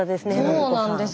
そうなんですよ。